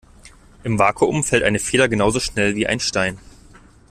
Im Vakuum fällt eine Feder genauso schnell wie ein Stein.